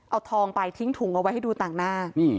เอาทองไปทิ้งถุงเอาไว้ให้ดูต่างหน้า